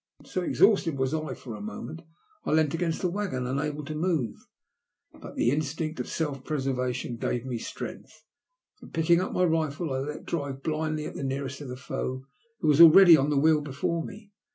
So exhausted was I that for a moment I leant against the waggon, unable to move. But the instinct of self preservation gave me strength, and A TEBRIELB SUBPHISE. 267 pickiug up my rifle I let drive blindly at the nearest of the foe who was already on the wheel before me.